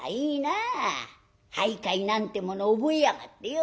俳諧なんてもの覚えやがってよ。